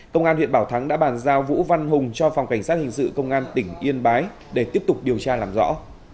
công an huyện bảo thắng đã bàn giao vũ văn hùng cho phòng cảnh sát hình sự công an tỉnh yên bái để tiếp tục điều tra làm rõ